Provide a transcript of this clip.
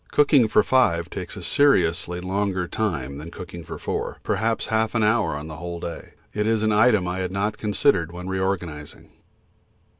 Cooking for five takes a seriously longer time than cooking for four; perhaps half an hour on the whole day. It is an item I had not considered when re organising.